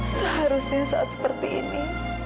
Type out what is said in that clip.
seharusnya saat seperti ini